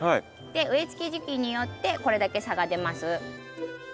植えつけ時期によってこれだけ差が出ます。